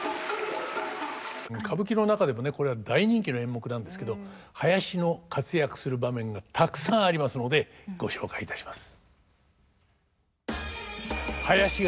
歌舞伎の中でもこれは大人気の演目なんですけど囃子の活躍する場面がたくさんありますのでご紹介いたします。